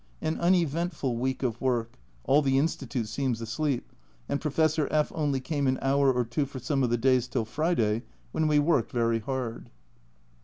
An uneventful week of work, all the Institute seems asleep, and Professor F only came an hour or two for some of the days till Friday, when we worked very hard.